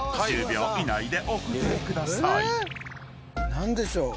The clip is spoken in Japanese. １０秒以内でお答えください］何でしょう？